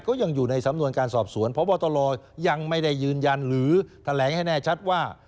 ก็ยังอยู่ในสำนวนการสอบสวนพบตรยังไม่ได้ยืนยันหรือแถลงให้แน่ชัดว่า